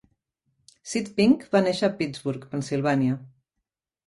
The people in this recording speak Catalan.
Sid Pink va néixer a Pittsburgh, Pennsilvània.